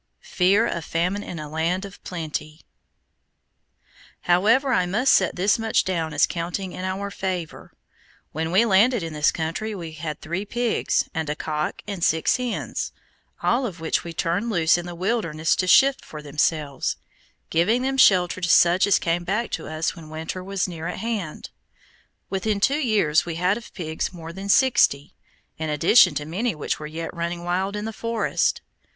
FEAR OF FAMINE IN A LAND OF PLENTY However, I must set this much down as counting in our favor: when we landed in this country we had three pigs, and a cock and six hens, all of which we turned loose in the wilderness to shift for themselves, giving shelter to such as came back to us when winter was near at hand. Within two years we had of pigs more than sixty, in addition to many which were yet running wild in the forest.